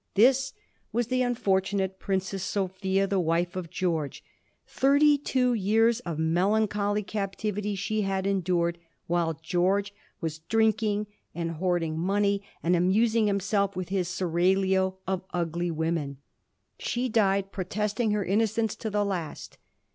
This was the unfortunate Princess Sophia, the wife of George. Thirty two years of melancholy captivity she had endured, while George was drinking and hoarding money and amus ing himself with his seraglio of ugly women. She died protesting her innocence to the last.